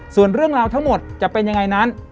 ส่วนเรื่องราวทั้งหมดจะเป็นยังไงนั้น